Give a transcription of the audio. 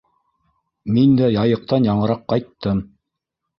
Мин дә Яйыҡтан яңыраҡ ҡайттым.